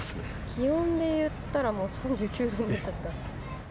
気温でいったらもう、３９度になっちゃった。